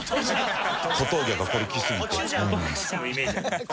小峠がこれ着すぎて。